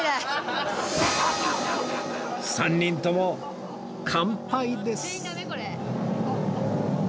３人とも完敗です